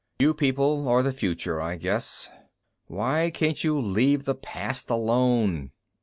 "You people are the future, I guess. Why can't you leave the past alone?